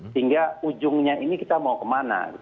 sehingga ujungnya ini kita mau kemana